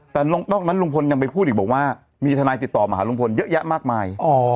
แต่นอกนั้นลุงพลยังไปพูดอีกบอกว่ามีทนายติดต่อมาหาลุงพลเยอะแยะมากมาย